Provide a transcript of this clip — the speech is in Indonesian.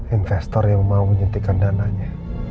investor yang mau menyuntikkan dananya